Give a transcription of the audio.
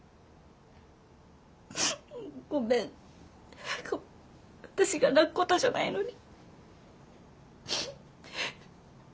ごめん私が泣くことじゃないのに。